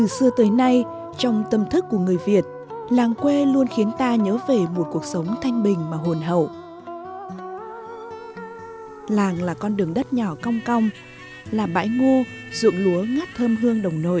các bạn hãy đăng ký kênh để ủng hộ kênh của chúng mình nhé